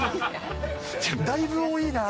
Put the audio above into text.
だいぶ多いな。